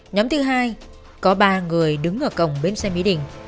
nhóm thứ hai có ba người đứng ở cổng bến xe mỹ đình